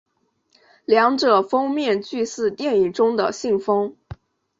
两者封面俱似电影中的信封。